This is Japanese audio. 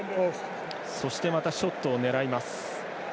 そしてまたショットを狙います。